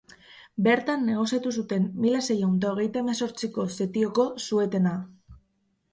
Bertan negoziatu zuten mila seiehun eta hogeita hemezortziko setioko suetena.